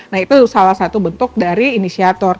nah itu salah satu bentuk dari inisiator